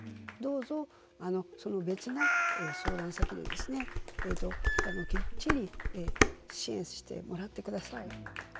どうぞ、別な相談先できっちり支援してもらってください。